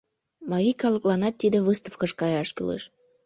Марий калыкланат тиде выставкыш каяш кӱлеш.